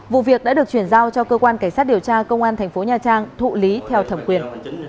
vụ việc đã được chuyển giao cho cơ quan cảnh sát điều tra công an thành phố nha trang thụ lý theo thẩm quyền